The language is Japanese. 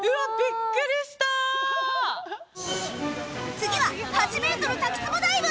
次は８メートル滝つぼダイブ